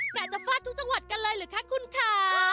จะฟาดทุกจังหวัดกันเลยหรือคะคุณค่ะ